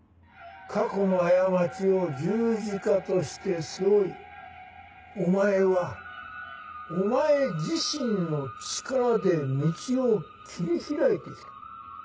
過去の過ちを十字架として背負いお前はお前自身の力で道を切り開いて来た。